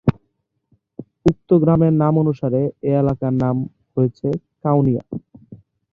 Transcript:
উক্ত গ্রামের নাম অনুসারে এ এলাকার নাম হয়েছে কাউনিয়া।